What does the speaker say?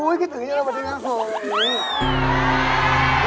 อุ๊ยคิดถึงเดี๋ยวเรามาที่นั่งโสลวะอีก